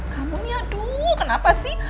kamu nih aduh kenapa sih